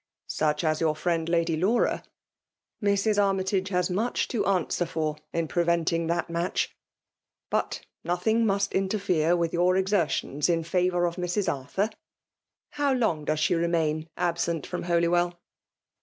'' Such as your friend Lady Laura ? Mrs. Armytage has much to answer for in prevent ing that match !— But nothing must interfere with your exertions in favour of Mrs. Arthur. How long does she remain absent from Holy well?"